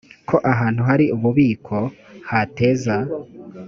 ko ahantu hari ububiko hateza